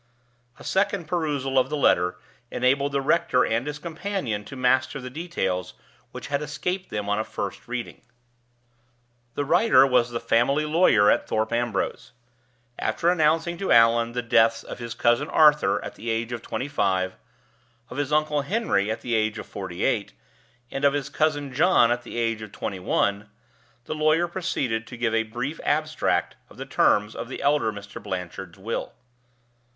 A second perusal of the letter enabled the rector and his companion to master the details which had escaped them on a first reading. The writer was the family lawyer at Thorpe Ambrose. After announcing to Allan the deaths of his cousin Arthur at the age of twenty five, of his uncle Henry at the age of forty eight, and of his cousin John at the age of twenty one, the lawyer proceeded to give a brief abstract of the terms of the elder Mr. Blanchard's will.